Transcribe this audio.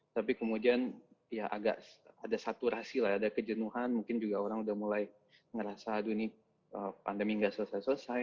tapi kemudian ya agak ada saturasi lah ada kejenuhan mungkin juga orang udah mulai ngerasa aduh ini pandemi gak selesai selesai